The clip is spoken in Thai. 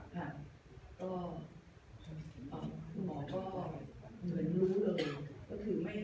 ก็อ่าคุณหมอก็เหมือนรู้เลยก็ถือไม่ได้นะ